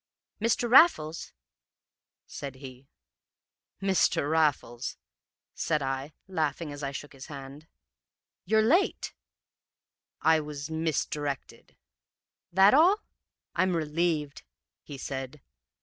"'Mr. Raffles?' said he. "'Mr. Raffles,' said I, laughing as I shook his hand. "'You're late.' "'I was misdirected.' "'That all? I'm relieved,' he said.